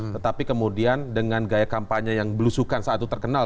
tetapi kemudian dengan gaya kampanye yang belusukan saat itu terkenal